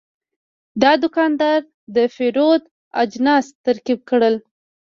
دا دوکاندار د پیرود اجناس ترتیب کړل.